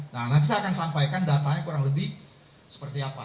nah nanti saya akan sampaikan datanya kurang lebih seperti apa